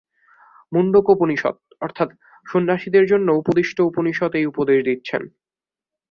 মুণ্ডকোপনিষৎ অর্থাৎ সন্ন্যাসীদের জন্য উপদিষ্ট উপনিষৎ এই উপদেশ দিচ্ছেন।